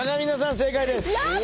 正解です。